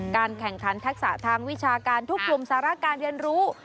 การแข่งขันทักษะทางวิชาการทุกกลุ่มสาระการเรียนรู้